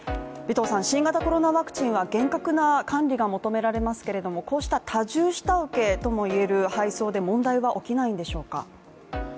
尾藤さん新型コロナワクチンは厳格な管理が求められますけれどもこうした多重下請けとも言える配送で問題は起きないんでしょうか？